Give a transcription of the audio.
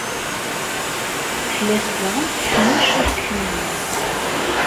Tella tebɣa ad teḥmec aseklu-nni.